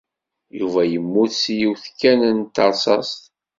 Yuba yemmut s yiwet kan n terṣaṣt.